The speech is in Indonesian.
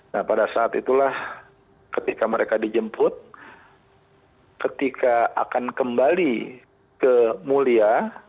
nah pada saat itulah ketika mereka dijemput ketika akan kembali ke mulia